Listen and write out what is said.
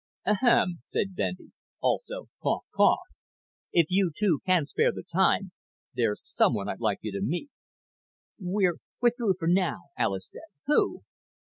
"Ahem," said Bendy. "Also cough cough. If you two can spare the time, there's someone I'd like you to meet." "We're through, for now," Alis said. "Who?"